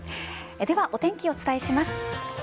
では、お天気をお伝えします。